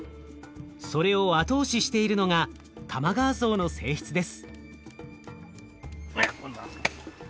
それを後押ししているのが玉川層の性質です。